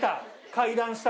階段下。